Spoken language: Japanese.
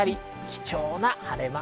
貴重な晴れ間。